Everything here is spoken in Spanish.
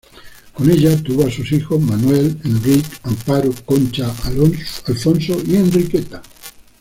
Con ella tuvo a sus hijos Manuel, Enric, Amparo, Concha, Alfonso y Enriqueta.